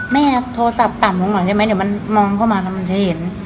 แม่โทรศัพท์ต่ำลงหน่อยได้ไหมเดี๋ยวมันมองเข้ามาแล้วมันจะเห็น